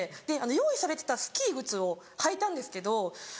で用意されてたスキー靴を履いたんですけど。